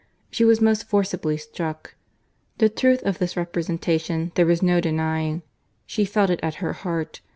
She was most forcibly struck. The truth of this representation there was no denying. She felt it at her heart.